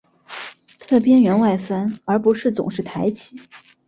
它的边缘外翻而不是总是抬起。